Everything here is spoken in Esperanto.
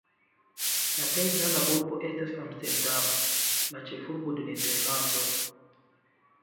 La plej granda urbo estas Amsterdam, la ĉefurbo de Nederlando.